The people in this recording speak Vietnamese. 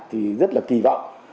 thì rất là kỳ vọng